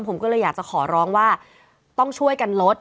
ผมก็เลยอยากจะขอร้องว่าต้องช่วยกันลด